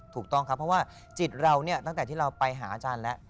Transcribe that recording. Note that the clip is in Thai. ถูกต้องครับเพราะว่าจิตเราเนี่ยตั้งแต่ที่เราไปหาอาจารย์แล้ว